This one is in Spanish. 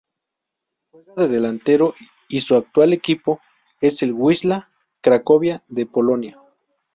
Juega de delantero y su actual equipo es el Wisla Cracovia de Polonia.